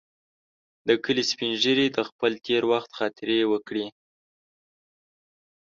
د کلي سپین ږیري د خپل تېر وخت خاطرې وکړې.